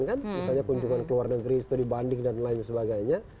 misalnya kunjungan ke luar negeri studi banding dan lain sebagainya